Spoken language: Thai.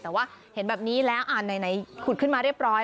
แต่ว่าเห็นแบบนี้แล้วอ่านไหนขุดขึ้นมาเรียบร้อย